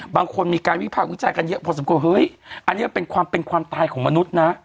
บางคนมีการวิภาควิจารณ์กันเยอะพอสมควรเฮ้ยอันนี้เป็นความเป็นความตายของมนุษย์นะ